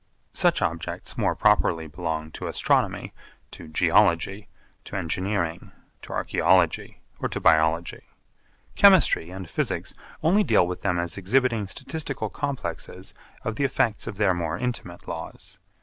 Such objects more properly belong to Astronomy, to Geology, to Engineering, to Archaeology, or to Biology. Chemistry and Physics only deal with them as exhibiting statistical complexes of the effects of their more intimate laws.